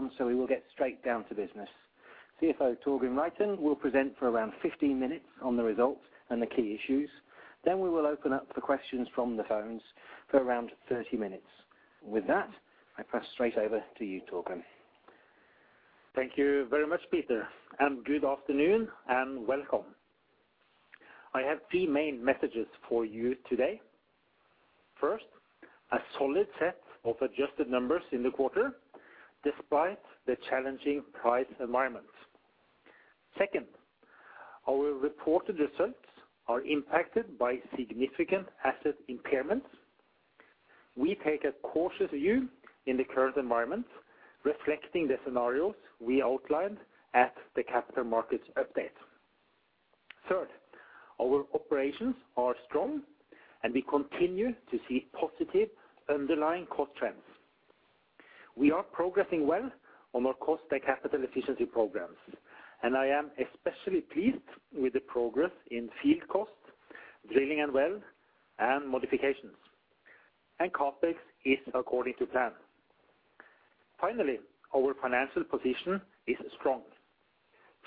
Everyone, we will get straight down to business. CFO Torgrim Reitan will present for around 15 minutes on the results and the key issues. Then we will open up for questions from the phones for around 30 minutes. With that, I pass straight over to you, Torgrim. Thank you very much, Peter, and good afternoon and welcome. I have three main messages for you today. First, a solid set of adjusted numbers in the quarter despite the challenging price environment. Second, our reported results are impacted by significant asset impairments. We take a cautious view in the current environment, reflecting the scenarios we outlined at the capital markets update. Third, our operations are strong, and we continue to see positive underlying cost trends. We are progressing well on our cost and capital efficiency programs, and I am especially pleased with the progress in field costs, drilling and well, and modifications. CapEx is according to plan. Finally, our financial position is strong.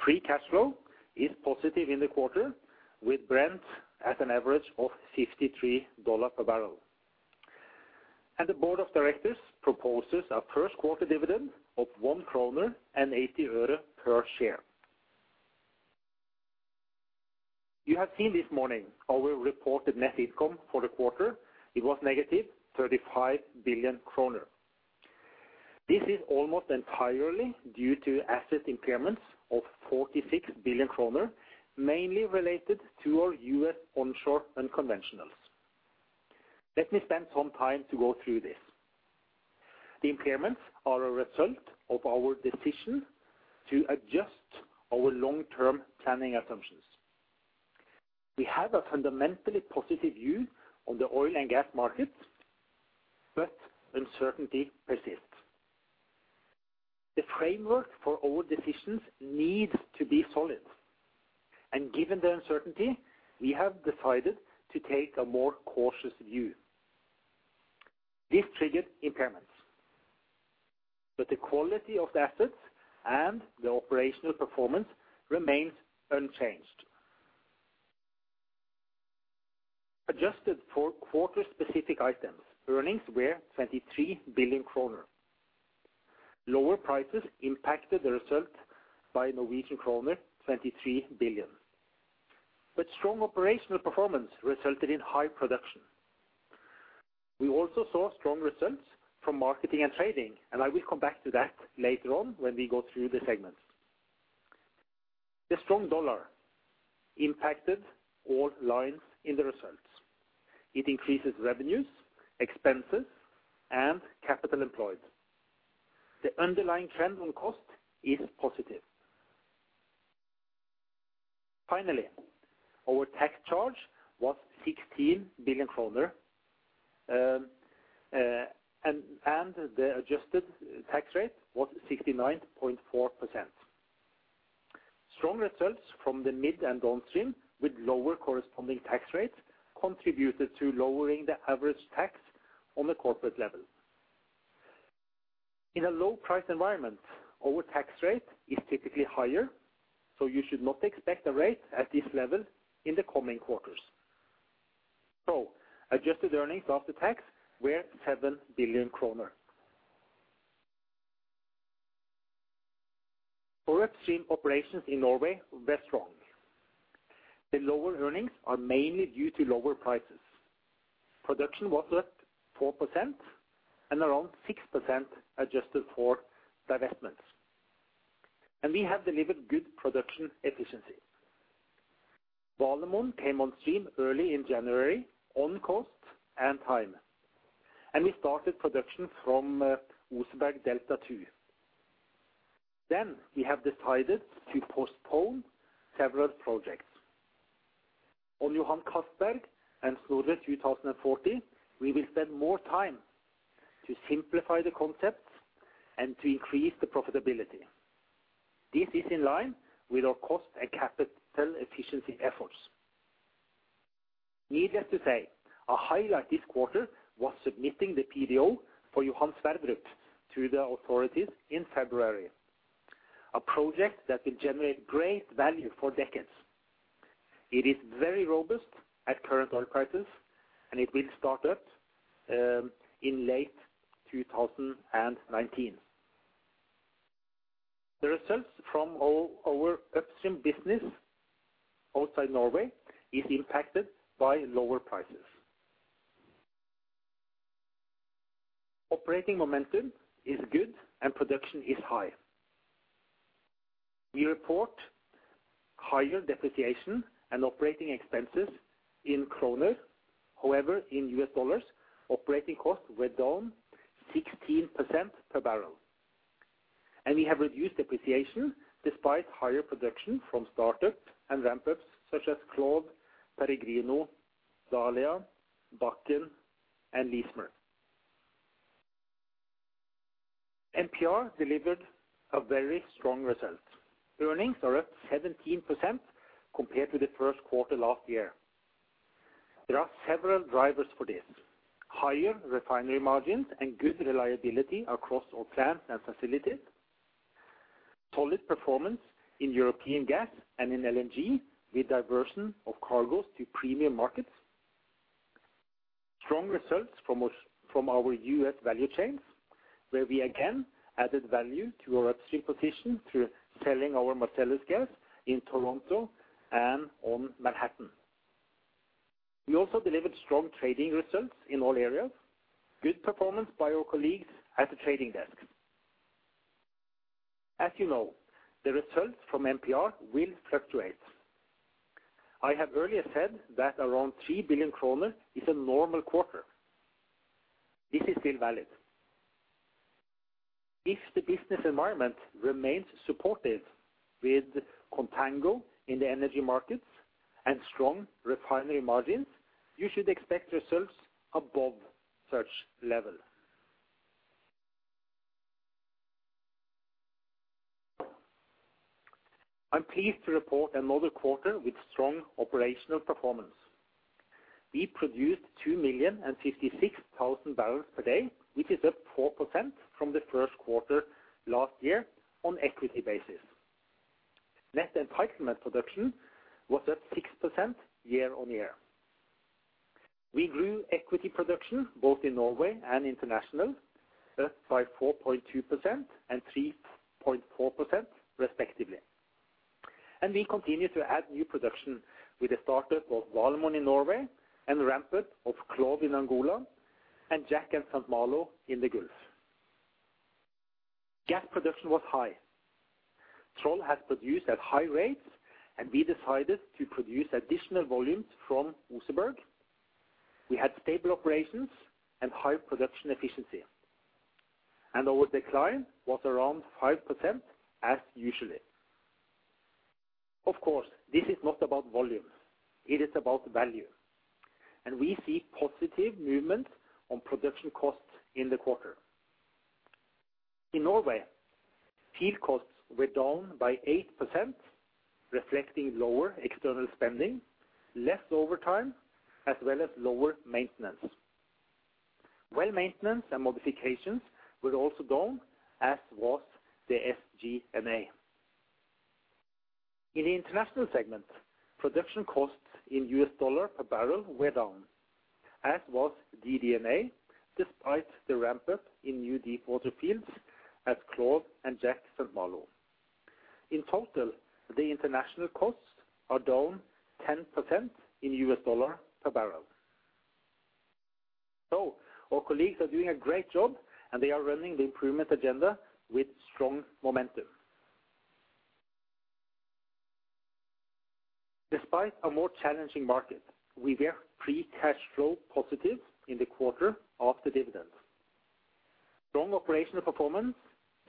Free cash flow is positive in the quarter with Brent at an average of $53 per barrel. The Board of Directors proposes a first quarter dividend of NOK 1.80 per share. You have seen this morning our reported net income for the quarter. It was -35 billion kroner. This is almost entirely due to asset impairments of 46 billion kroner, mainly related to our U.S. onshore and conventional. Let me spend some time to go through this. The impairments are a result of our decision to adjust our long-term planning assumptions. We have a fundamentally positive view on the oil and gas market, but uncertainty persists. The framework for our decisions needs to be solid. Given the uncertainty, we have decided to take a more cautious view. This triggered impairments. The quality of the assets and the operational performance remains unchanged. Adjusted for quarter-specific items, earnings were 23 billion kroner. Lower prices impacted the result by NOK 23 billion. Strong operational performance resulted in high production. We also saw strong results from marketing and trading, and I will come back to that later on when we go through the segments. The strong dollar impacted all lines in the results. It increases revenues, expenses, and capital employed. The underlying trend on cost is positive. Finally, our tax charge was 16 billion kroner, and the Adjusted tax rate was 69.4%. Strong results from the mid and downstream with lower corresponding tax rates contributed to lowering the average tax on the corporate level. In a low price environment, our tax rate is typically higher, so you should not expect the rate at this level in the coming quarters. Adjusted earnings after tax were 7 billion kroner. Our upstream operations in Norway were strong. The lower earnings are mainly due to lower prices. Production was up 4% and around 6% adjusted for divestments. We have delivered good production efficiency. Valemon came on stream early in January on cost and time. We started production from Oseberg Delta 2. We have decided to postpone several projects. On Johan Castberg and Snorre 2040, we will spend more time to simplify the concepts and to increase the profitability. This is in line with our cost and capital efficiency efforts. Needless to say, a highlight this quarter was submitting the PDO for Johan Sverdrup to the authorities in February, a project that will generate great value for decades. It is very robust at current oil prices, and it will start up in late 2019. The results from our upstream business outside Norway is impacted by lower prices. Operating momentum is good and production is high. We report higher depreciation and operating expenses in kroner. However, in U.S. dollars, operating costs were down 16% per barrel. We have reduced depreciation despite higher production from startups and ramp-ups such as CLOV, Peregrino, Dahlia, Bakken, and Leismer. MPR delivered a very strong result. Earnings are up 17% compared to the first quarter last year. There are several drivers for this. Higher refinery margins and good reliability across all plants and facilities. Solid performance in European gas and in LNG with diversion of cargoes to premium markets. Strong results from our U.S. value chains, where we again added value to our upstream position through selling our Marcellus Gas in Toronto and on Manhattan. We also delivered strong trading results in all areas. Good performance by our colleagues at the trading desk. As you know, the results from MPR will fluctuate. I have earlier said that around 3 billion kroner is a normal quarter. This is still valid. If the business environment remains supportive with contango in the energy markets and strong refinery margins, you should expect results above such level. I'm pleased to report another quarter with strong operational performance. We produced 2,056,000 MMbpd, which is up 4% from the first quarter last year on equity basis. Net entitlement production was at 6% year-on-year. We grew equity production both in Norway and international, up by 4.2% and 3.4% respectively. We continue to add new production with the startup of Valemon in Norway and the ramp up of CLOV in Angola and Jack and St. Malo in the Gulf. Gas production was high. Troll has produced at high rates, and we decided to produce additional volumes from Oseberg. We had stable operations and high production efficiency, and our decline was around 5% as usual. Of course, this is not about volumes. It is about value. We see positive movement on production costs in the quarter. In Norway, field costs were down by 8%, reflecting lower external spending, less overtime, as well as lower maintenance. Well maintenance and modifications were also down, as was the SG&A. In the international segment, production costs in U.S. dollar per barrel were down, as was DD&A, despite the ramp-up in new deepwater fields as CLOV and Jack and St. Malo. In total, the international costs are down 10% in U.S. dollar per barrel. Our colleagues are doing a great job, and they are running the improvement agenda with strong momentum. Despite a more challenging market, we were free cash flow positive in the quarter after dividends. Strong operational performance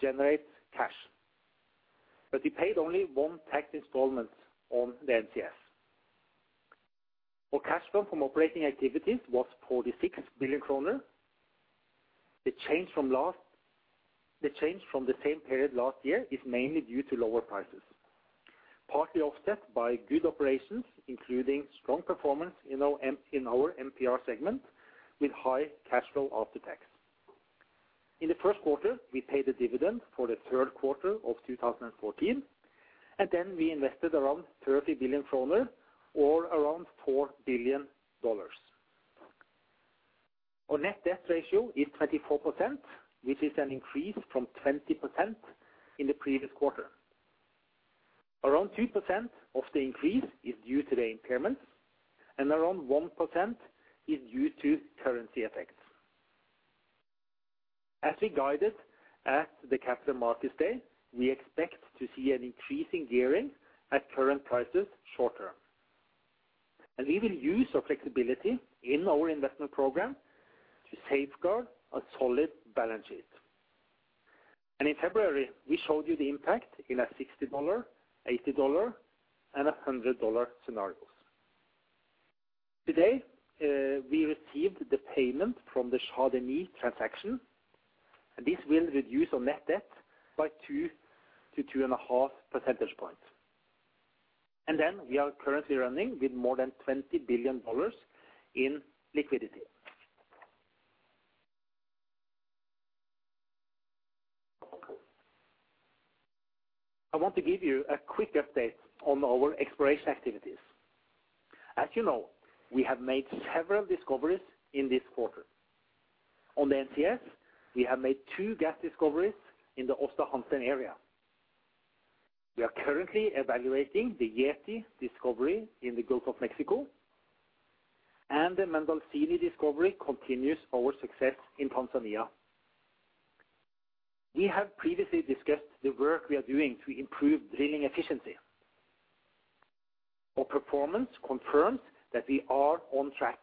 generates cash, but we paid only one tax installment on the NCS. Our cash flow from operating activities was 46 billion kroner. The change from the same period last year is mainly due to lower prices, partly offset by good operations, including strong performance in our NPR segment with high cash flow after tax. In the first quarter, we paid a dividend for the third quarter of 2014, and then we invested around 30 billion kroner or around $4 billion. Our net-debt ratio is 24%, which is an increase from 20% in the previous quarter. Around 2% of the increase is due to the impairments and around 1% is due to currency effects. As we guided at the Capital Markets Day, we expect to see an increasing gearing at current prices short-term. We will use our flexibility in our investment program to safeguard a solid balance sheet. In February, we showed you the impact in a $60, $80, and a $100 scenarios. Today, we received the payment from the Chad and Niger transaction, and this will reduce our net-debt by 2-2.5 percentage points. We are currently running with more than $20 billion in liquidity. I want to give you a quick update on our exploration activities. As you know, we have made several discoveries in this quarter. On the NCS, we have made two gas discoveries in the Aasta Hansteen area. We are currently evaluating the Yeti discovery in the Gulf of Mexico, and the Mdalasini discovery continues our success in Tanzania. We have previously discussed the work we are doing to improve drilling efficiency. Our performance confirms that we are on track.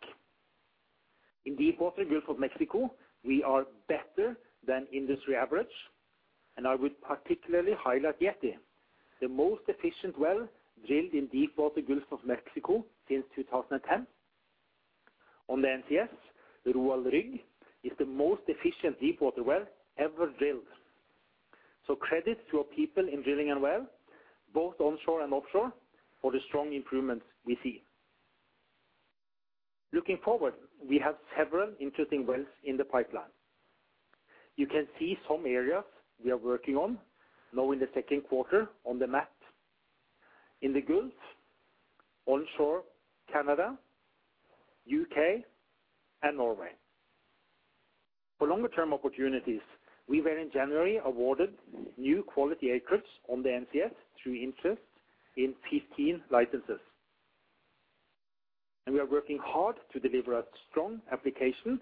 In Deepwater Gulf of Mexico, we are better than industry average, and I would particularly highlight Yeti, the most efficient well drilled in Deepwater Gulf of Mexico since 2010. On the NCS, the Roald Rygg is the most efficient deepwater well ever drilled. So credit to our people in drilling and well, both onshore and offshore for the strong improvements we see. Looking forward, we have several interesting wells in the pipeline. You can see some areas we are working on now in the second quarter on the map. In the Gulf, onshore Canada, U.K., and Norway. For longer-term opportunities, we were in January awarded new quality acres on the NCS through interest in 15 licenses. We are working hard to deliver a strong application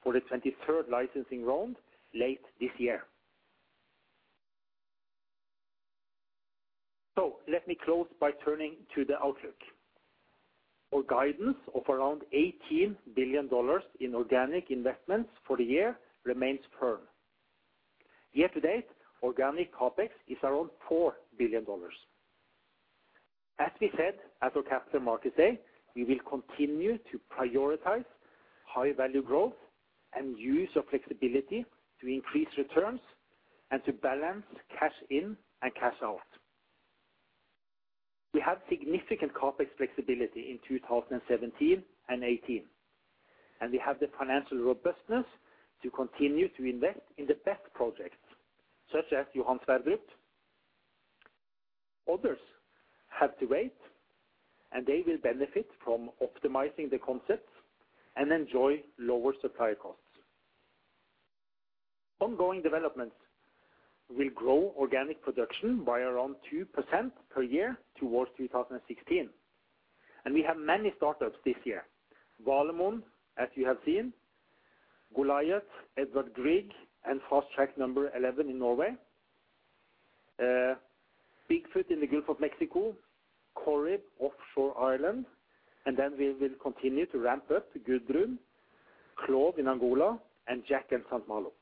for the 23rd licensing round late this year. Let me close by turning to the outlook. Our guidance of around $18 billion in organic investments for the year remains firm. Year-to-date, organic CapEx is around $4 billion. As we said at our Capital Markets Day, we will continue to prioritize high-value growth and use of flexibility to increase returns and to balance cash-in and cash-out. We have significant CapEx flexibility in 2017 and 2018, and we have the financial robustness to continue to invest in the best projects, such as Johan Sverdrup. Others have to wait, and they will benefit from optimizing the concepts and enjoy lower supply costs. Ongoing developments will grow organic production by around 2% per year towards 2016. We have many startups this year. Valemon, as you have seen, Goliat, Edvard Grieg, and FastTrack number 11 in Norway, Big Foot in the Gulf of Mexico, Corrib offshore Ireland, and then we will continue to ramp up Gudrun, CLOV in Angola, and Jack and St. Malo.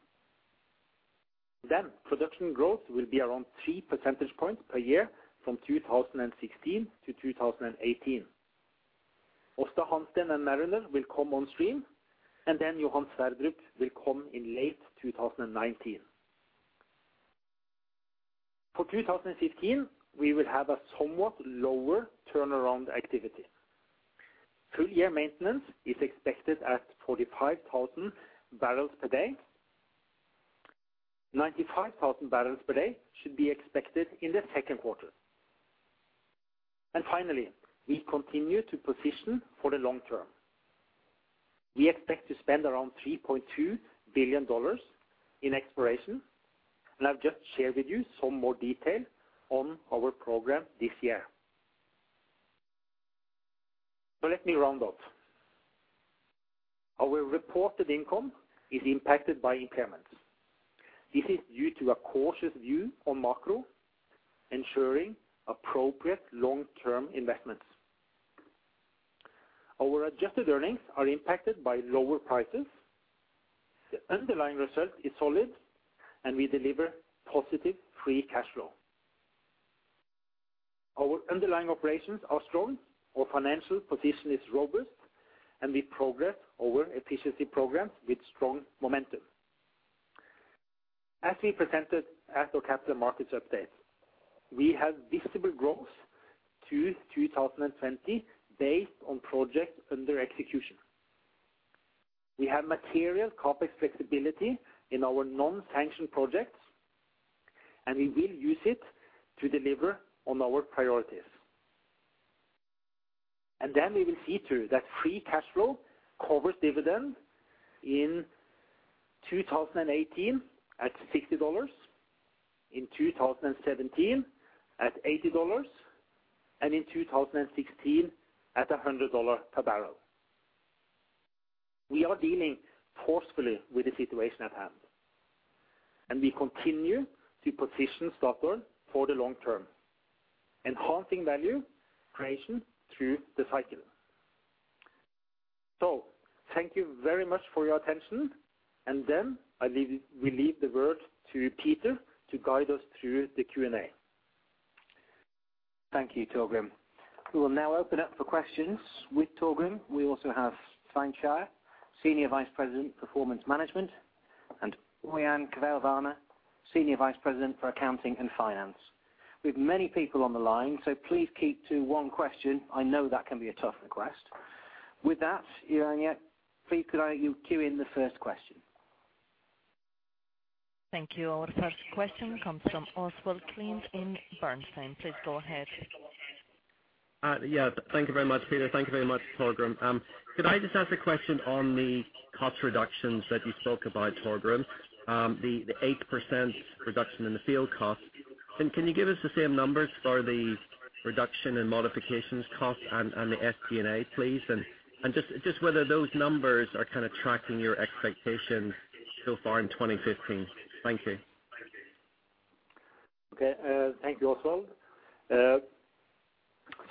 Production growth will be around three percentage points per year from 2016 to 2018. Aasta Hansteen and Mariner will come on stream, and then Johan Sverdrup will come in late 2019. For 2015, we will have a somewhat lower turnaround activity. Full-year maintenance is expected at 45,000 barrels per day. 95,000 barrels per day should be expected in the second quarter. Finally, we continue to position for the long term. We expect to spend around $3.2 billion in exploration, and I've just shared with you some more detail on our program this year. Let me round up. Our reported income is impacted by impairments. This is due to a cautious view on macro, ensuring appropriate long-term investments. Our Adjusted earnings are impacted by lower prices. The underlying result is solid, and we deliver positive free cash flow. Our underlying operations are strong, our financial position is robust, and we progress our efficiency programs with strong momentum. As we presented at our capital markets update, we have visible growth to 2020 based on projects under execution. We have material CapEx flexibility in our non-sanctioned projects, and we will use it to deliver on our priorities. We will see to it that free cash flow covers dividend in 2018 at $60, in 2017 at $80, and in 2016 at $100 per barrel. We are dealing forcefully with the situation at hand, and we continue to position Statoil for the long term, enhancing value creation through the cycle. Thank you very much for your attention. I leave, we leave the word to Peter to guide us through the Q&A. Thank you, Torgrim. We will now open up for questions. With Torgrim, we also have Svein Skeie, Senior Vice President, Performance Management, and Ørjan Kvelvane, Senior Vice President for Accounting and Finance. We have many people on the line, so please keep to one question. I know that can be a tough request. With that, Operator, please could you queue in the first question. Thank you. Our first question comes from Oswald Clint in Bernstein. Please go ahead. Yeah, thank you very much, Peter. Thank you very much, Torgrim. Could I just ask a question on the cost reductions that you spoke about, Torgrim? The 8% reduction in the Field cost. Can you give us the same numbers for the reduction in modifications cost and the SG&A, please? Just whether those numbers are kinda tracking your expectations so far in 2015. Thank you. Okay. Thank you, Oswald.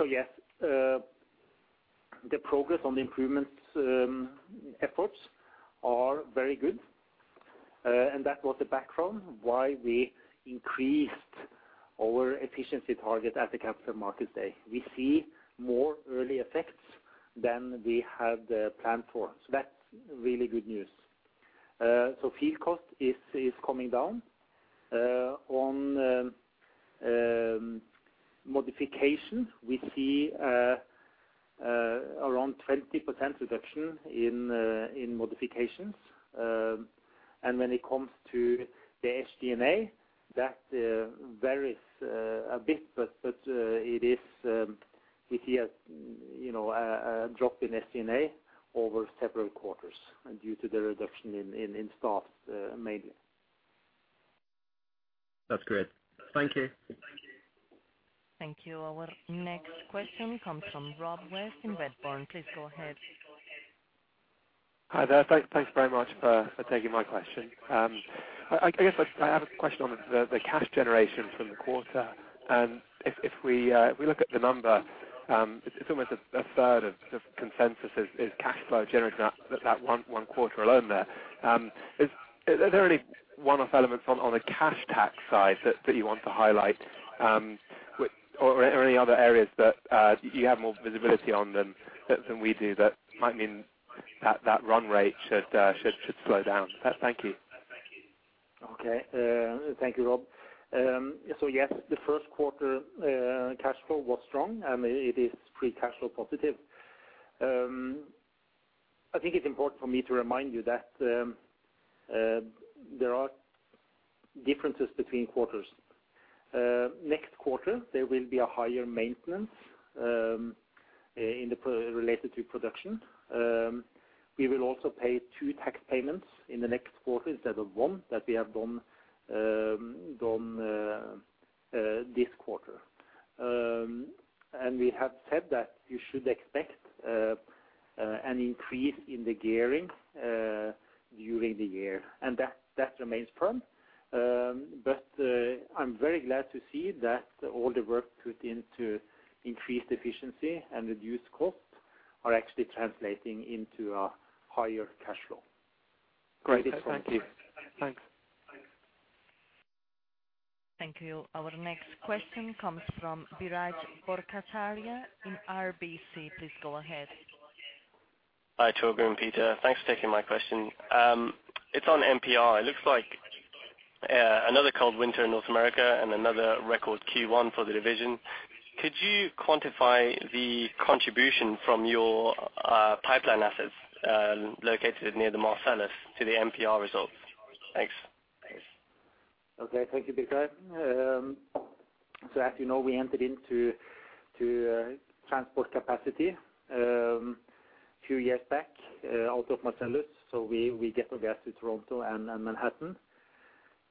Yes, the progress on the improvements, efforts are very good. That was the background why we increased our efficiency target at the Capital Markets Day. We see more early effects than we had planned for. That's really good news. Field cost is coming down. On modifications, we see around 20% reduction in modifications. When it comes to the SG&A, that varies a bit, but it is, we see a, you know, a drop in SG&A over several quarters due to the reduction in staff, mainly. That's great. Thank you. Thank you. Our next question comes from Rob West in Redburn. Please go ahead. Hi there. Thanks very much for taking my question. I guess I have a question on the cash generation from the quarter. If we look at the number, it's almost 1/3 of consensus cash flow generation that one quarter alone there. Is there any one-off elements on the cash tax side that you want to highlight, or any other areas that you have more visibility on them than we do that might mean that run rate should slow down. Thank you. Okay. Thank you, Rob. Yes, the first quarter cash flow was strong, and it is free cash flow positive. I think it's important for me to remind you that there are differences between quarters. Next quarter, there will be a higher maintenance related to production. We will also pay two tax payments in the next quarter instead of one that we have done this quarter. We have said that you should expect an increase in the gearing during the year, and that remains firm. I'm very glad to see that all the work put into increased efficiency and reduced costs are actually translating into a higher cash flow. Great. Thank you. Thanks. Thank you. Our next question comes from Biraj Borkhataria in RBC. Please go ahead. Hi, Torgrim and Peter. Thanks for taking my question. It's on MPR. It looks like another cold winter in North America and another record Q1 for the division. Could you quantify the contribution from your pipeline assets located near the Marcellus to the MPR results? Thanks. Okay. Thank you, Biraj. As you know, we entered into transport capacity a few years back out of Marcellus. We get the gas to Toronto and Manhattan.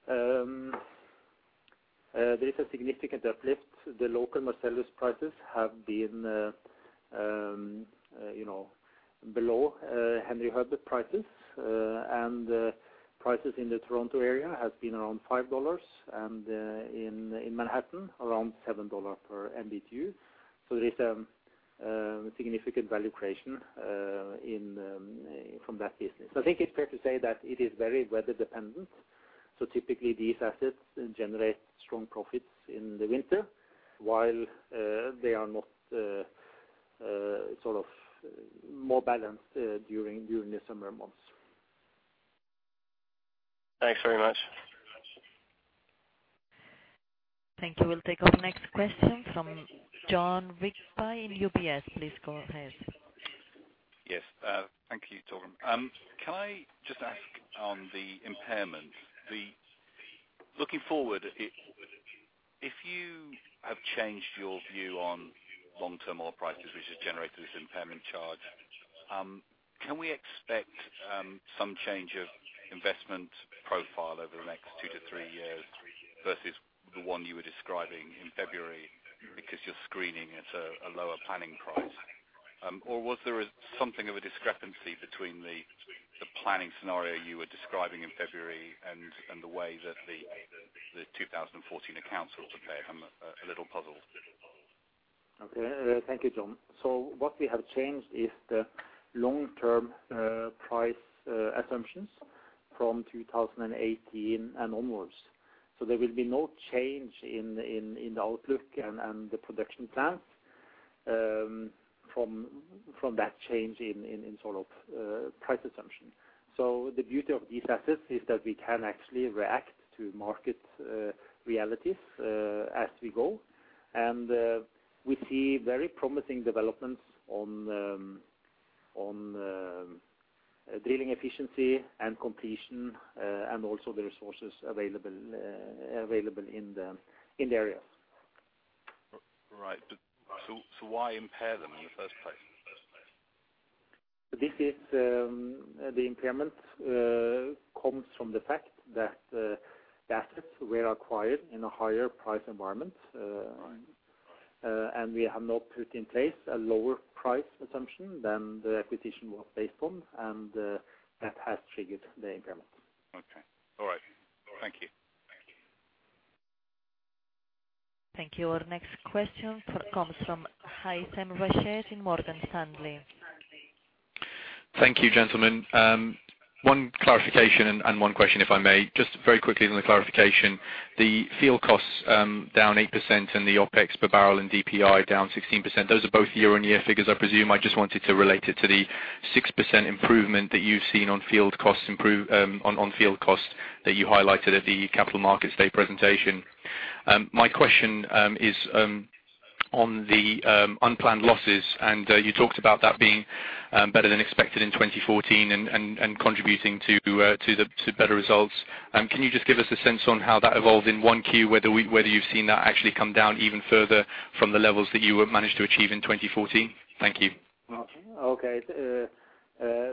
There is a significant uplift. The local Marcellus prices have been you know below Henry Hub prices. And prices in the Toronto area has been around $5 per MBtu, and in Manhattan, around $7 per MBtu. There is significant value creation from that business. I think it's fair to say that it is very weather dependent. Typically these assets generate strong profits in the winter, while they are not sort of more balanced during the summer months. Thanks very much. Thank you. We'll take our next question from John Olaisen in UBS. Please go ahead. Yes. Thank you, Torgrim. Can I just ask on the impairment. Looking forward, if you have changed your view on long-term oil prices, which has generated this impairment charge, can we expect some change of investment profile over the next two to three years versus the one you were describing in February because you're screening at a lower planning price? Or was there something of a discrepancy between the planning scenario you were describing in February and the way that the 2014 accounts were prepared? I'm a little puzzled. Okay. Thank you, John. What we have changed is the long-term price assumptions from 2018 and onwards. There will be no change in the outlook and the production plans from that change in sort of price assumptions. The beauty of these assets is that we can actually react to market realities as we go. We see very promising developments on drilling efficiency and completion and also the resources available in the area. Right. Why impair them in the first place? This is the impairment comes from the fact that the assets were acquired in a higher price environment. Right. We have now put in place a lower price assumption than the acquisition was based on, and that has triggered the impairment. Okay. All right. Thank you. Thank you. Our next question comes from Haythem Rashed in Morgan Stanley. Thank you, gentlemen. One clarification and one question, if I may. Just very quickly on the clarification, the field costs down 8% and the OpEx per barrel and DPI down 16%. Those are both year-on-year figures, I presume. I just wanted to relate it to the 6% improvement that you've seen on field costs that you highlighted at the capital markets day presentation. My question is on the unplanned losses, and you talked about that being better than expected in 2014 and contributing to better results. Can you just give us a sense on how that evolved in 1Q, whether you've seen that actually come down even further from the levels that you managed to achieve in 2014? Thank you. Okay.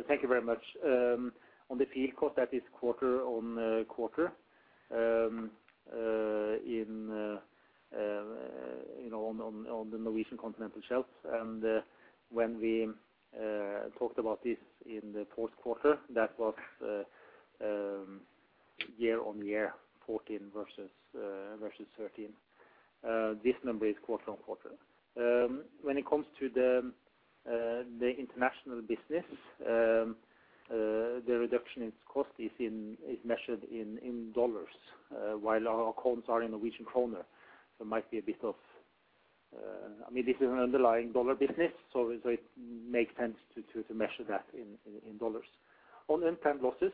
Thank you very much. On the field cost, that is quarter-over-quarter. You know, on the Norwegian continental shelf. When we talked about this in the fourth quarter, that was year-over-year, 2014 versus 2013. This number is quarter-over-quarter. When it comes to the international business, the reduction in cost is measured in dollars, while our accounts are in Norwegian kroner. Might be a bit of. I mean, this is an underlying dollar business, so it makes sense to measure that in dollars. On unplanned losses,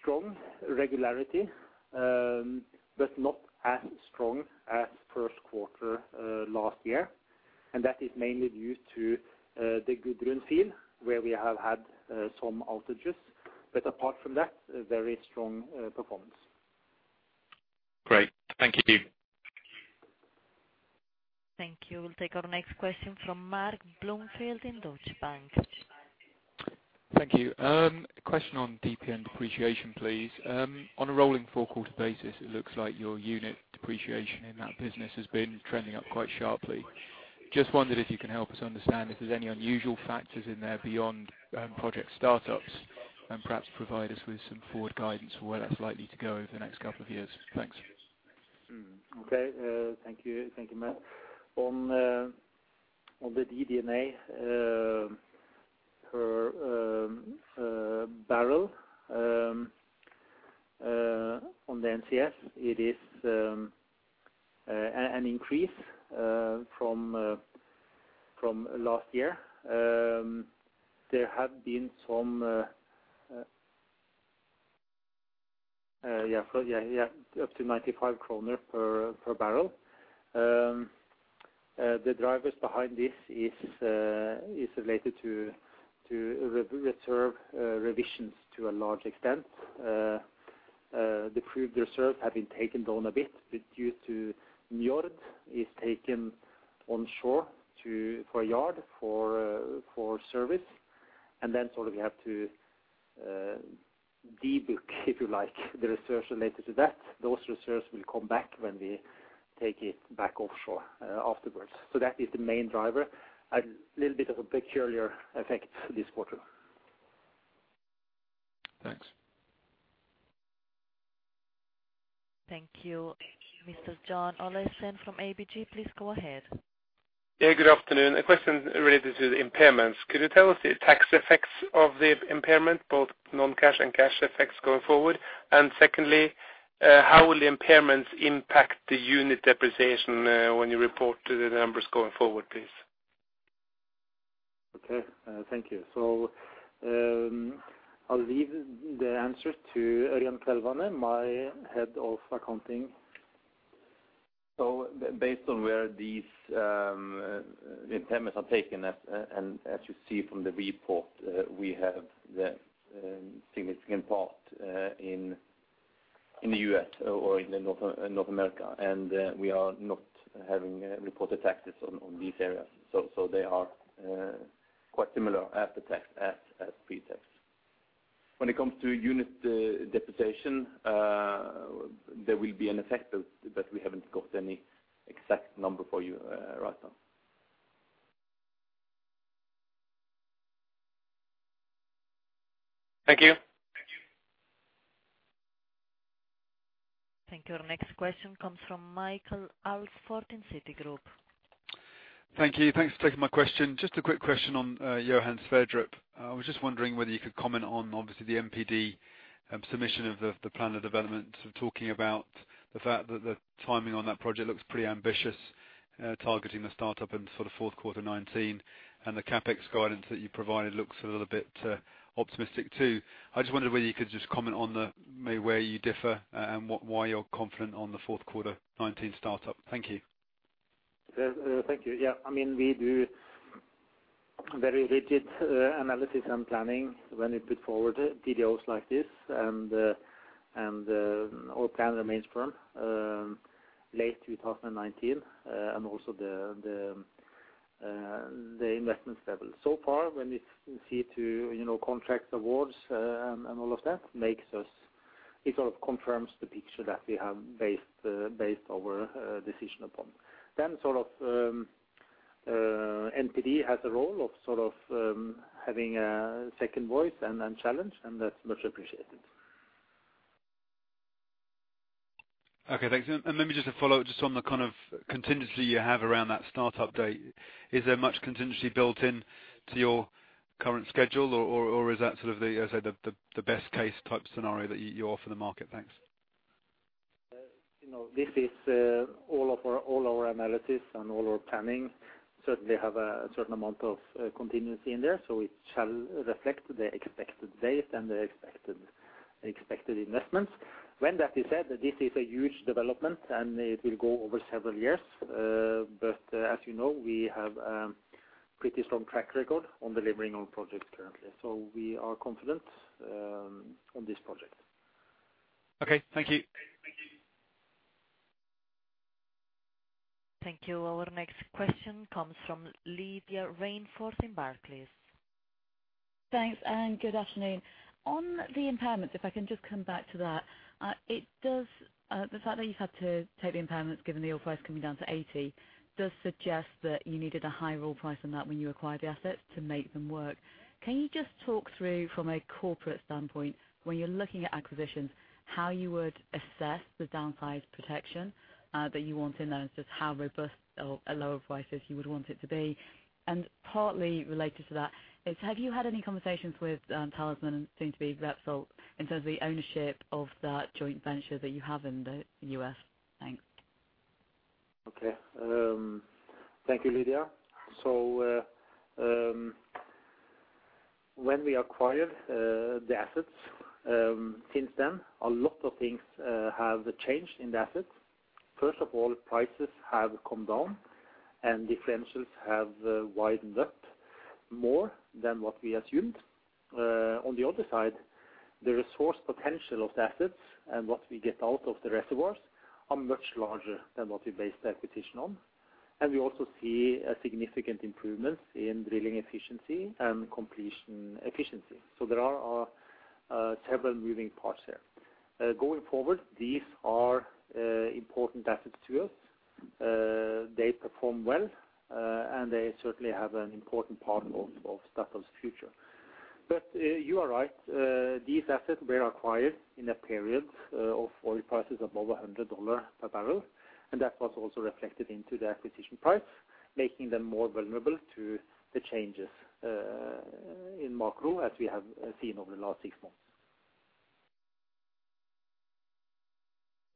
strong regularity, but not as strong as first quarter last year, and that is mainly due to the Gudrun field, where we have had some outages. Apart from that, a very strong performance. Great. Thank you. Thank you. We'll take our next question from Mark Bloomfield in Deutsche Bank. Thank you. A question on DPN depreciation, please. On a rolling four-quarter basis, it looks like your unit depreciation in that business has been trending up quite sharply. Just wondered if you can help us understand if there's any unusual factors in there beyond project startups, and perhaps provide us with some forward guidance for where that's likely to go over the next couple of years. Thanks. Thank you, Mark. On the DD&A per barrel on the NCS, it is an increase from last year up to 95 kroner per barrel. The drivers behind this is related to reserve revisions to a large extent. The proved reserves have been taken down a bit due to Njord being taken onshore to a yard for service. Then sort of we have to debook, if you like, the reserves related to that. Those reserves will come back when we take it back offshore afterwards. That is the main driver. A little bit of a peculiar effect this quarter. Thanks. Thank you. Mr. John Olaisen from ABG, please go ahead. Yeah, good afternoon. A question related to the impairments. Could you tell us the tax effects of the impairment, both non-cash and cash effects going forward? Secondly, how will the impairments impact the unit depreciation when you report the numbers going forward, please? Okay, thank you. I'll leave the answer to Ørjan Kvelvane, my head of accounting. Based on where these impairments are taken, and as you see from the report, we have the significant part in the U.S. or in North America. We are not having reported taxes on these areas. They are quite similar after tax as pre-tax. When it comes to unit depreciation, there will be an effect of, but we haven't got any exact number for you right now. Thank you. Thank you. Our next question comes from Michael Alsford in Citigroup. Thank you. Thanks for taking my question. Just a quick question on Johan Sverdrup. I was just wondering whether you could comment on obviously the NPD submission of the plan of development, talking about the fact that the timing on that project looks pretty ambitious, targeting the startup in sort of fourth quarter 2019. The CapEx guidance that you provided looks a little bit optimistic too. I just wondered whether you could just comment on the, maybe where you differ and what why you're confident on the fourth quarter 2019 startup. Thank you. Yeah. Thank you. Yeah. I mean, we do very rigid analysis and planning when we put forward PDOs like this. Our plan remains firm late 2019 and also the investment level. So far, what we see, too, you know, contract awards and all of tha t makes us it sort of confirms the picture that we have based our decision upon. NPD has a role of sort of having a second voice and challenge, and that's much appreciated. Okay, thanks. Maybe just to follow up on the kind of contingency you have around that start-up date. Is there much contingency built in to your current schedule or is that sort of the best case type scenario that you offer the market? Thanks. You know this is all of our analysis and all our planning certainly have a certain amount of contingency in there. It shall reflect the expected date and the expected investments. When that is said that this is a huge development and it will go over several years. As you know, we have pretty strong track record on delivering on projects currently. We are confident on this project. Okay. Thank you. Thank you. Our next question comes from Lydia Rainforth in Barclays. Thanks. Good afternoon. On the impairment, if I can just come back to that. It does, the fact that you've had to take the impairments given the oil price coming down to $80, does suggest that you needed a higher oil price than that when you acquired the assets to make them work. Can you just talk through from a corporate standpoint, when you're looking at acquisitions how you would assess the downside protection that you want in there, and just how robust or at lower prices you would want it to be? Partly related to that is have you had any conversations with Talisman since the Repsol in terms of the ownership of that joint venture that you have in the U.S.? Thanks. Okay. Thank you, Lydia. When we acquired the assets, since then, a lot of things have changed in the assets. First of all, prices have come down and differentials have widened up more than what we assumed. On the other side, the resource potential of the assets and what we get out of the reservoirs are much larger than what we based the acquisition on. We also see a significant improvement in drilling efficiency and completion efficiency. There are several moving parts here. Going forward, these are important assets to us. They perform well, and they certainly have an important part of Statoil's future. You are right, these assets were acquired in a period of oil prices above $100 per barrel, and that was also reflected into the acquisition price, making them more vulnerable to the changes in macro as we have seen over the last six months.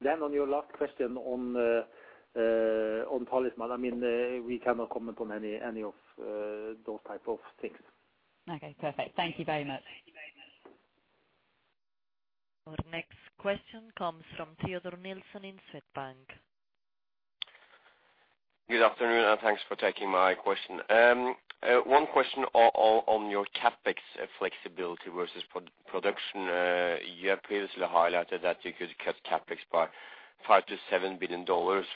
On your last question on Talisman, I mean, we cannot comment on any of those type of things. Okay, perfect. Thank you very much. Our next question comes from Teodor Nilsen in Swedbank. Good afternoon, and thanks for taking my question. One question on your CapEx flexibility versus production. You have previously highlighted that you could cut CapEx by $5 billion-$7 billion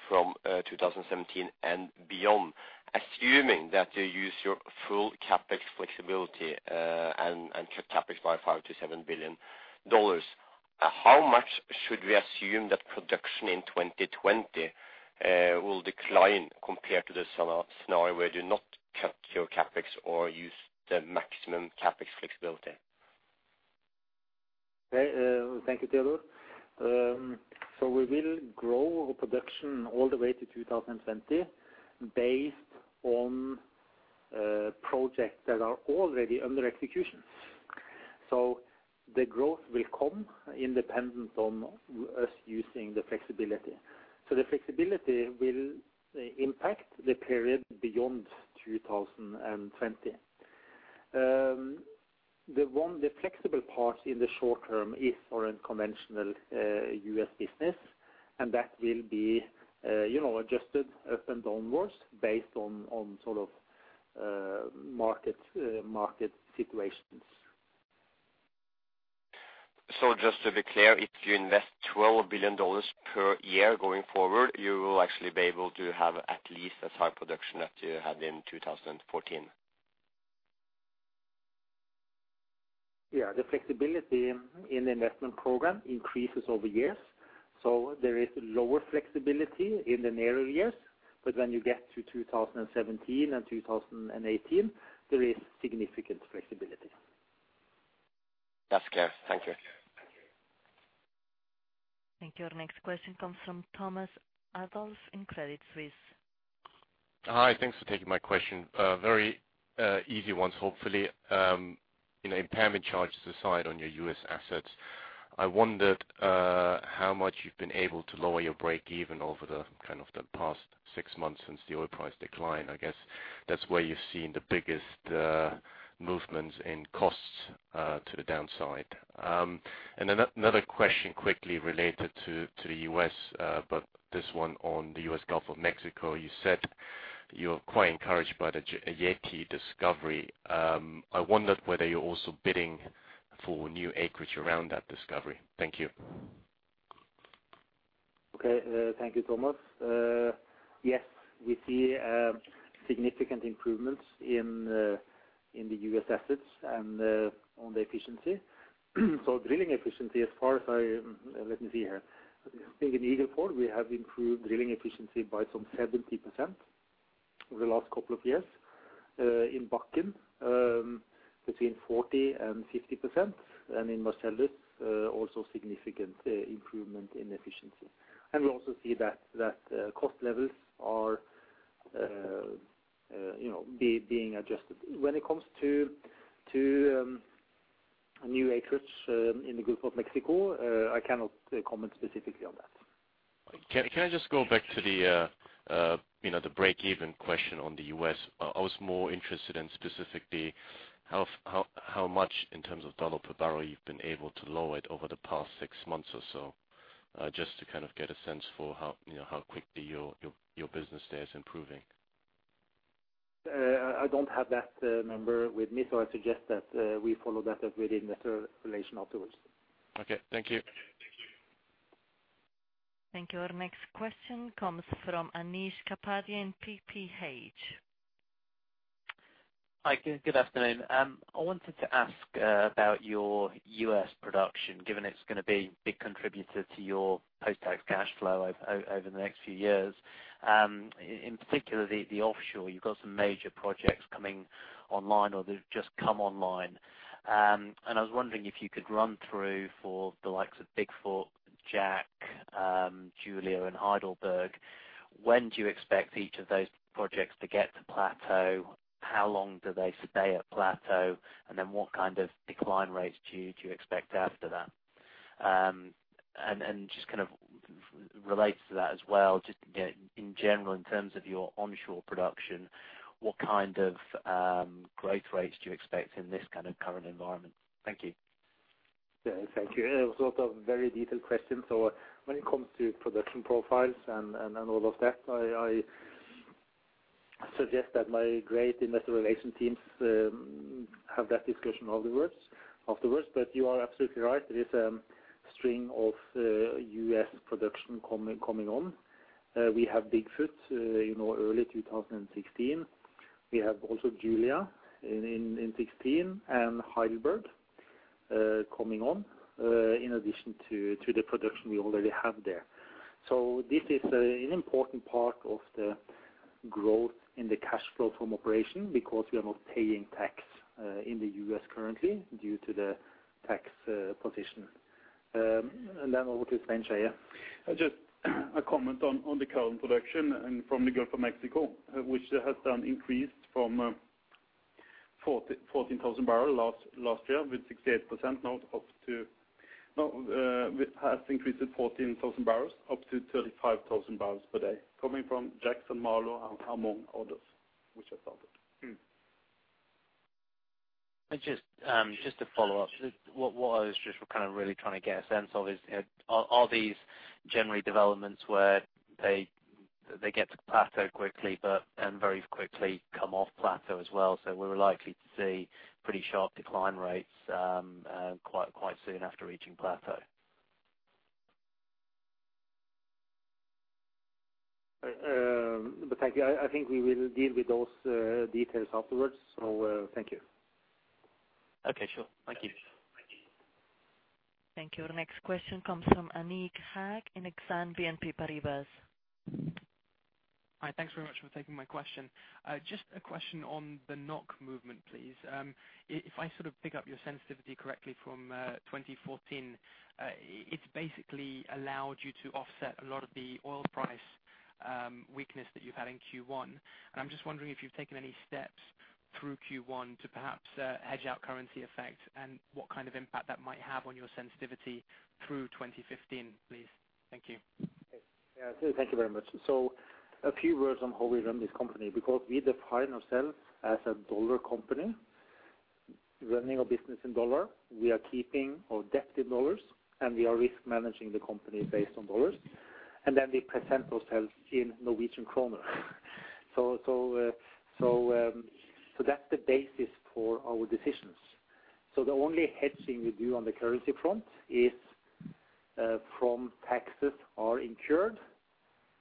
from 2017 and beyond. Assuming that you use your full CapEx flexibility and cut CapEx by $5 billion-$7 billion, how much should we assume that production in 2020 will decline compared to the scenario where you not cut your CapEx or use the maximum CapEx flexibility? Okay. Thank you, Teodor. We will grow production all the way to 2020 based on projects that are already under execution. The growth will come independent of us using the flexibility. The flexibility will impact the period beyond 2020. The flexible part in the short term is our conventional U.S. business, and that will be, you know, adjusted up and downward based on sort of market situations. Just to be clear, if you invest $12 billion per year going forward, you will actually be able to have at least as high production that you had in 2014? Yeah. The flexibility in the investment program increases over years. There is lower flexibility in the nearer years. When you get to 2017 and 2018, there is significant flexibility. That's clear. Thank you. Thank you. Our next question comes from Thomas Adolff in Credit Suisse. Hi, thanks for taking my question. Very easy ones, hopefully. You know, impairment charges aside on your U.S. assets, I wondered how much you've been able to lower your break even over the kind of the past six months since the oil price decline. I guess that's where you've seen the biggest movements in costs to the downside. Another question quickly related to the U.S., but this one on the U.S. Gulf of Mexico. You said you're quite encouraged by the Yeti discovery. I wondered whether you're also bidding for new acreage around that discovery. Thank you. Okay. Thank you, Thomas. Yes, we see significant improvements in the U.S. assets and on the efficiency. Drilling efficiency. I think in Eagle Ford, we have improved drilling efficiency by some 70% over the last couple of years, in Bakken, between 40%-50%, and in Marcellus, also significant improvement in efficiency. We also see that cost levels are, you know, being adjusted. When it comes to new acreage in the Gulf of Mexico, I cannot comment specifically on that. Can I just go back to the, you know, the break-even question on the U.S.? I was more interested in specifically how much in terms of dollar per barrel you've been able to lower it over the past six months or so, just to kind of get a sense for how, you know, how quickly your business there is improving. I don't have that number with me, so I suggest that we follow that up with Investor Relations afterwards. Okay. Thank you. Thank you. Our next question comes from Anish Kapadia in TPH. Hi, good afternoon. I wanted to ask about your U.S. production, given it's gonna be a big contributor to your post-tax cash flow over the next few years. In particular, the offshore. You've got some major projects coming online or that have just come online, and I was wondering if you could run through for the likes of Big Foot, Jack, Julia, and Heidelberg, when do you expect each of those projects to get to plateau? How long do they stay at plateau? And then what kind of decline rates do you expect after that? Just kind of relates to that as well, you know, in general, in terms of your onshore production, what kind of growth rates do you expect in this kind of current environment? Thank you. Yeah, thank you. It was a lot of very detailed questions. When it comes to production profiles and all of that, I suggest that my great investor relation teams have that discussion afterwards. You are absolutely right. There is a stream of U.S. production coming on. We have Big Foot, you know, early 2016. We have also Julia in 2016 and Heidelberg coming on, in addition to the production we already have there. This is an important part of the growth in the cash flow from operations because we are not paying tax in the U.S. currently due to the tax position. Then over to Svein Skeie. Just a comment on the current production from the Gulf of Mexico, it has increased to 14,000-35,000 barrels per day coming from Jack and St. Malo among others which have started. Just to follow up, what I was just kind of really trying to get a sense of is, are these generally developments where they get to plateau quickly and very quickly come off plateau as well? We're likely to see pretty sharp decline rates quite soon after reaching plateau. Thank you. I think we will deal with those details afterwards, so thank you. Okay, sure. Thank you. Thank you. Our next question comes from Aneek Haq in Exane BNP Paribas. Hi. Thanks very much for taking my question. Just a question on the NOK movement, please. If I sort of pick up your sensitivity correctly from 2014, it's basically allowed you to offset a lot of the oil price weakness that you've had in Q1. I'm just wondering if you've taken any steps through Q1 to perhaps hedge out currency effect and what kind of impact that might have on your sensitivity through 2015, please. Thank you. Yeah. Thank you very much. A few words on how we run this company, because we define ourselves as a dollar company, running our business in dollar. We are keeping our debt in dollars, and we are risk managing the company based on dollars, and then we present ourselves in Norwegian kroner. That's the basis for our decisions. The only hedging we do on the currency front is from taxes are incurred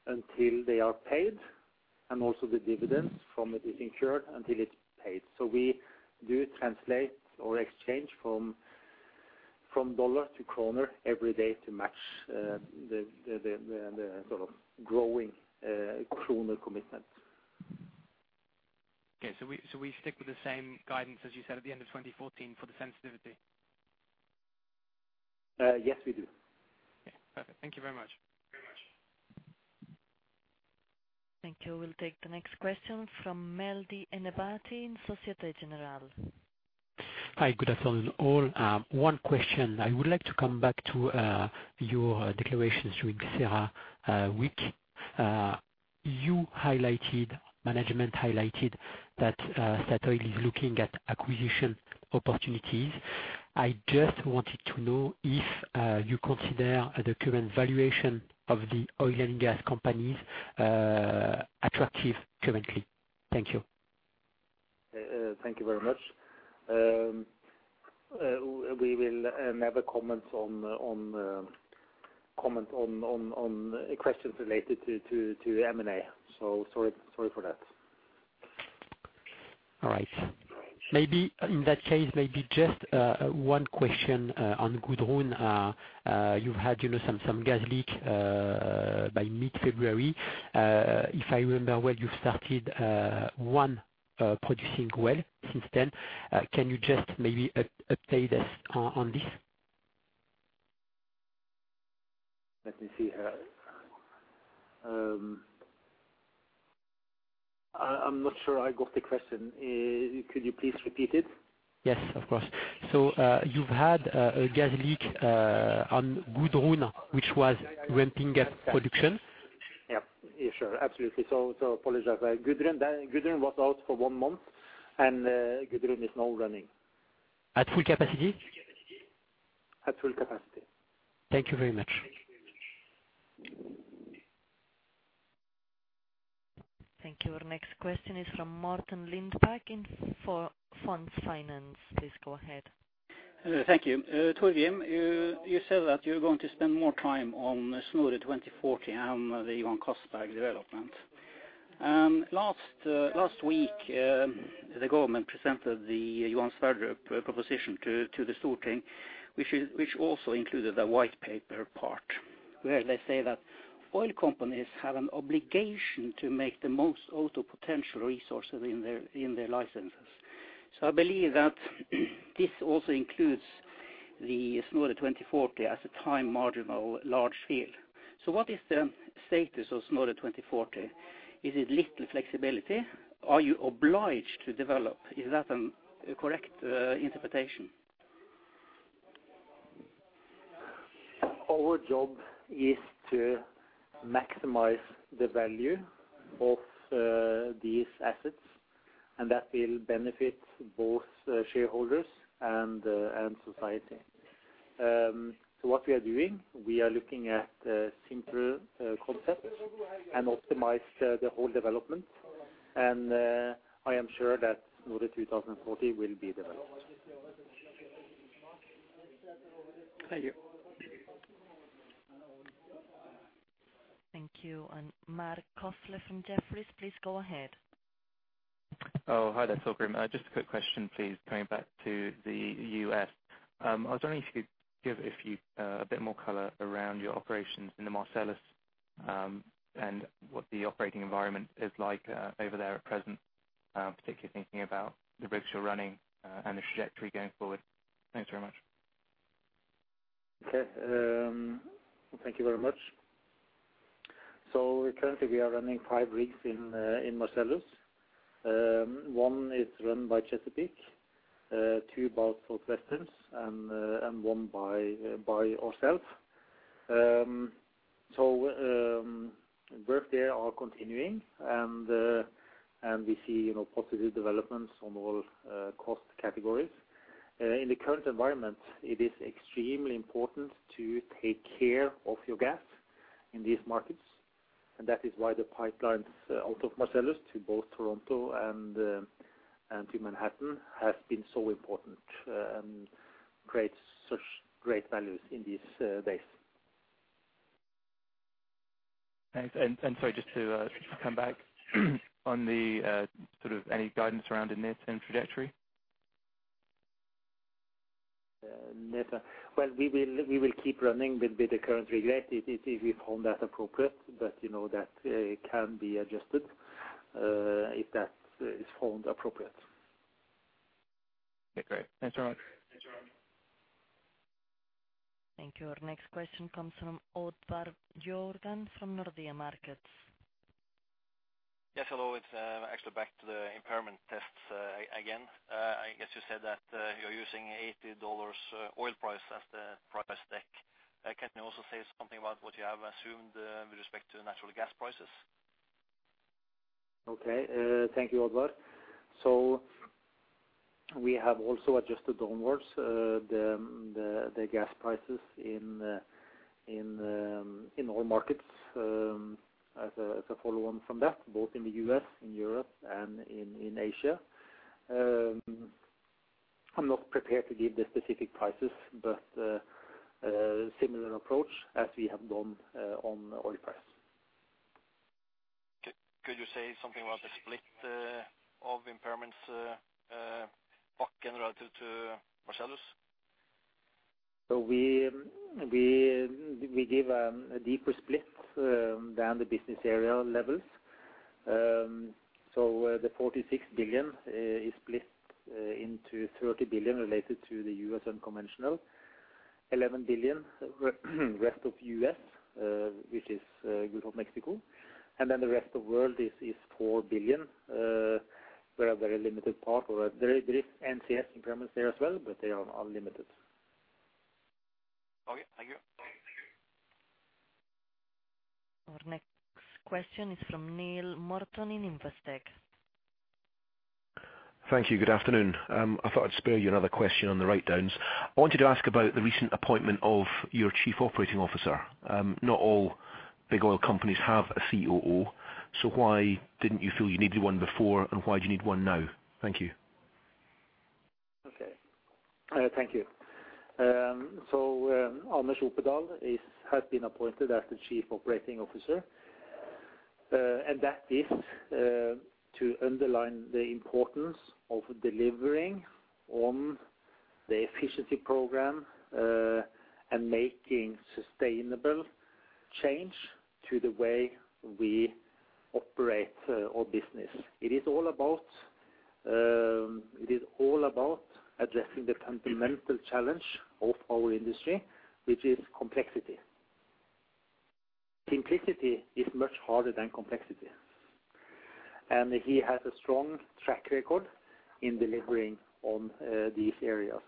until they are paid, and also the dividends from it is incurred until it's paid. We do translate or exchange from dollar to kroner every day to match the sort of growing kroner commitment. Okay, we stick with the same guidance as you said at the end of 2014 for the sensitivity? Yes, we do. Okay. Perfect. Thank you very much. Thank you. We'll take the next question from Mehdi Ennebati in Société Générale. Hi. Good afternoon, all. One question. I would like to come back to your declarations during CERAWeek. Management highlighted that Statoil is looking at acquisition opportunities. I just wanted to know if you consider the current valuation of the oil and gas companies attractive currently. Thank you. Thank you very much. We will never comment on questions related to M&A. Sorry for that. All right. Maybe in that case, maybe just one question on Gudrun. You've had, you know, some gas leak by mid-February. If I remember well, you started one producing well since then. Can you just maybe update us on this? Let me see. I'm not sure I got the question. Could you please repeat it? Yes, of course. You've had a gas leak on Gudrun which was ramping up production. Yeah. Yeah, sure. Absolutely. I apologize. Gudrun was out for one month, and Gudrun is now running. At full capacity? At full capacity. Thank you very much. Thank you. Our next question is from Morten Lindbæk of Fondsfinans. Please go ahead. Thank you. Torgrim, you said that you're going to spend more time on Snorre 2040 and the Johan Castberg development. Last week, the government presented the Johan Sverdrup proposition to the Storting, which also included the white paper part, where they say that oil companies have an obligation to make the most out of potential resources in their licenses. I believe that this also includes the Snorre 2040 as a time-marginal large field. What is the status of Snorre 2040? Is it little flexibility? Are you obliged to develop? Is that a correct interpretation? Our job is to maximize the value of these assets, and that will benefit both shareholders and society. What we are doing, we are looking at simpler concepts and optimize the whole development. I am sure that Snorre 2040 will be developed. Thank you. Thank you. Marc Kofler from Jefferies, please go ahead. Oh, hi there, Torgrim. Just a quick question, please, coming back to the U.S. I was wondering if you could give a few, a bit more color around your operations in the Marcellus, and what the operating environment is like, over there at present, particularly thinking about the rigs you're running, and the trajectory going forward. Thanks very much. Okay. Thank you very much. Currently we are running five rigs in Marcellus. One is run by Chesapeake, two by Southwestern, and one by ourselves. Work there are continuing and we see, you know, positive developments on all cost categories. In the current environment, it is extremely important to take care of your gas in these markets, and that is why the pipelines out of Marcellus to both Toronto and to Manhattan have been so important, creates such great values in these days. Thanks. Sorry, just come back on the sort of any guidance around in NETA and trajectory? NETA. Well, we will keep running with the current rig rate if we've found that appropriate. You know that it can be adjusted if that is found appropriate. Okay, great. Thanks very much. Thank you. Our next question comes from Oddvar Bjørgan from Nordea Markets. Yes, hello. It's actually back to the impairment tests again. I guess you said that you're using $80 oil price as the price deck. Can you also say something about what you have assumed with respect to natural gas prices? Okay. Thank you, Oddvar. We have also adjusted downwards the gas prices in all markets as a follow-on from that, both in the U.S., in Europe and in Asia. I'm not prepared to give the specific prices, but similar approach as we have done on oil price. Could you say something about the split of impairments, Bakken relative to Marcellus? We give a deeper split than the business area levels. The 46 billion is split into 30 billion related to the U.S. unconventional, 11 billion rest of U.S., which is Gulf of Mexico. The rest of world is 4 billion, where a very limited part or there is NCS impairments there as well, but they are immaterial. Okay. Thank you. Our next question is from Neill Morton in Investec. Thank you. Good afternoon. I thought I'd spare you another question on the write-downs. I wanted to ask about the recent appointment of your Chief Operating Officer. Not all big oil companies have a COO, so why didn't you feel you needed one before, and why do you need one now? Thank you. Thank you. Anders Opedal has been appointed as the Chief Operating Officer. That is to underline the importance of delivering on the efficiency program and making sustainable change to the way we operate our business. It is all about addressing the fundamental challenge of our industry, which is complexity. Simplicity is much harder than complexity. He has a strong track record in delivering on these areas.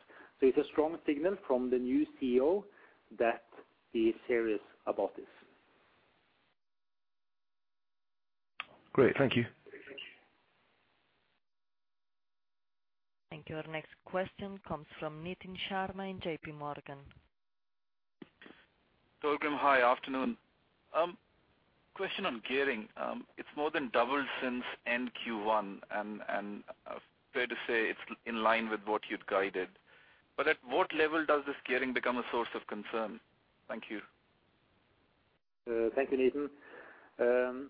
It's a strong signal from the new CEO that he is serious about this. Great. Thank you. Thank you. Our next question comes from Nitin Sharma in JPMorgan. Torgrim, hi. Afternoon. Question on gearing. It's more than doubled since end Q1, and fair to say it's in line with what you'd guided. At what level does this gearing become a source of concern? Thank you. Thank you, Nitin.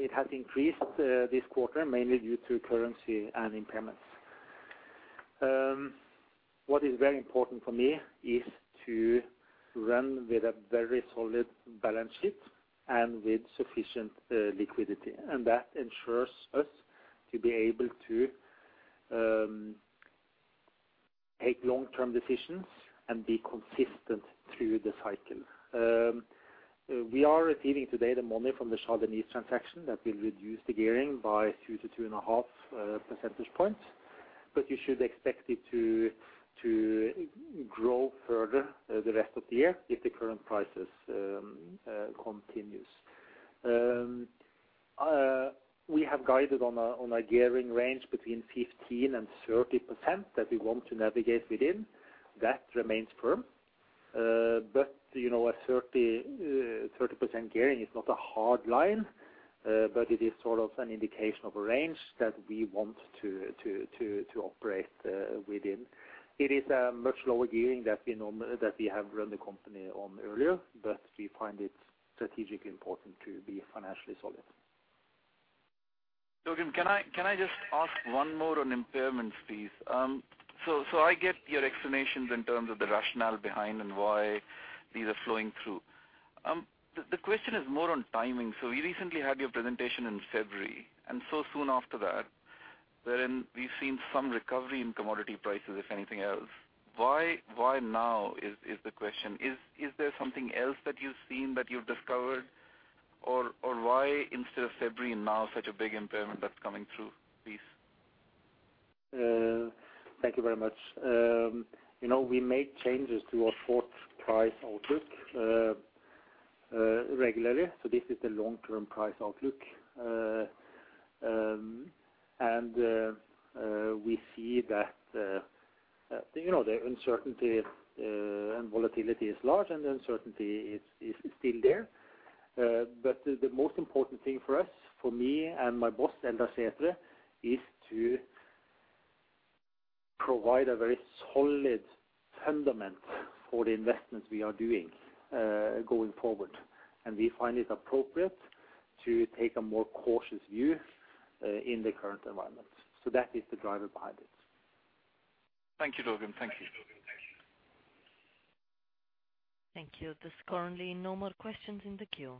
It has increased this quarter, mainly due to currency and impairments. What is very important for me is to run with a very solid balance sheet and with sufficient liquidity. That ensures us to be able to take long-term decisions and be consistent through the cycle. We are receiving today the money from the Chad and Niger transaction that will reduce the gearing by 2-2.5 percentage points, but you should expect it to grow further the rest of the year if the current prices continues. We have guided on a gearing range between 15% and 30% that we want to navigate within. That remains firm. You know, a 30% gearing is not a hard line, but it is sort of an indication of a range that we want to operate within. It is a much lower gearing that we have run the company on earlier, but we find it strategically important to be financially solid. Torgrim, can I just ask one more on impairments, please? I get your explanations in terms of the rationale behind and why these are flowing through. The question is more on timing. You recently had your presentation in February, and so soon after that, wherein we've seen some recovery in commodity prices, if anything else. Why now is the question. Is there something else that you've seen, that you've discovered? Or why instead of February and now such a big impairment that's coming through, please? Thank you very much. You know, we make changes to our forward price outlook regularly. This is the long-term price outlook. We see that you know, the uncertainty and volatility is large, and the uncertainty is still there. The most important thing for us, for me and my boss, Eldar Sætre, is to provide a very solid foundation for the investments we are doing going forward. We find it appropriate to take a more cautious view in the current environment. That is the driver behind it. Thank you, Torgrim. Thank you. Thank you. There's currently no more questions in the queue.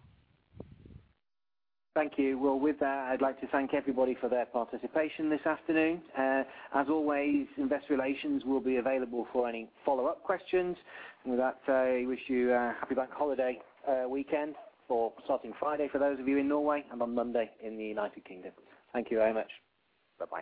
Thank you. Well, with that, I'd like to thank everybody for their participation this afternoon. As always, investor relations will be available for any follow-up questions. With that, I wish you a Happy Bank Holiday, weekend starting Friday for those of you in Norway and on Monday in the United Kingdom. Thank you very much. Bye-bye.